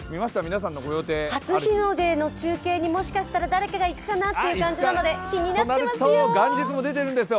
初日の出の中継にもしかしたら誰かが行くかなって感じなので気になってますよ。